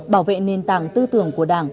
bảo vệ nền tảng tư tưởng của đảng